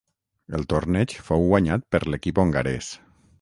El torneig fou guanyat per l'equip hongarès.